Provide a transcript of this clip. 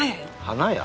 花屋？